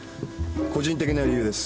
個人的な理由です。